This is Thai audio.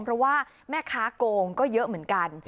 เพราะว่าแม่ค้าโกงก็เยอะเหมือนกัน